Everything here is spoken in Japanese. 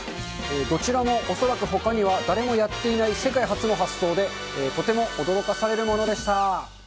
どちらも恐らくほかには誰もやっていない世界初の発想で、とても驚かされるものでした。